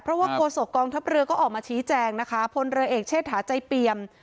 เพราะว่าโฆษกองทัพเรือก็ออกมาชี้แจงนะคะพลเรือเอกเชษฐาใจเปียม